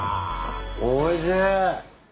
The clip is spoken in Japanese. おいしい！